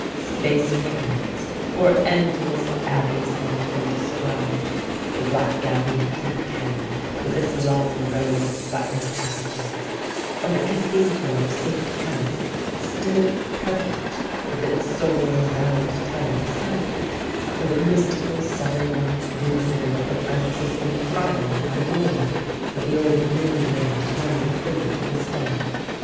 Space forbids, or endless abbeys might be described. The Black Abbey at Kilkenny, with its long row of Butler effigies, or the Cathedral of Saint Canice, still perfect, with its soaring round tower beside it, or the mystical seven light window of the Franciscan friary by the Nore, with the old mill weirs running free to this day.